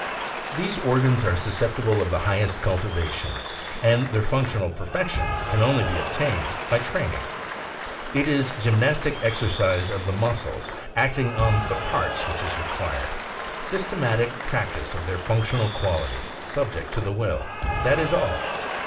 These organs are susceptible of the highest cultivation, and their functional perfection can only be attained by training. It is gymnastic exercise of the muscles, acting on the parts, which is required — systematic practice of their functional qualities, subject to the will. That is all.